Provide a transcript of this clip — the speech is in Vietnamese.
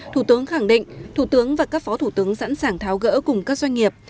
thủ tướng khẳng định thủ tướng và các phó thủ tướng sẵn sàng tháo gỡ cùng các doanh nghiệp